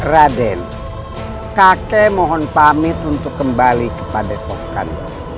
raden kakek mohon pamit untuk kembali kepada pohkan